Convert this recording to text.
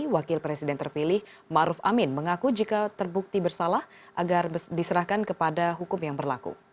wakil presiden terpilih maruf amin mengaku jika terbukti bersalah agar diserahkan kepada hukum yang berlaku